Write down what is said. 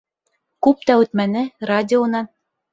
Күп тә үтмәне, радионан: